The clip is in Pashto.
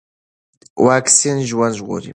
واکسين ژوند ژغوري.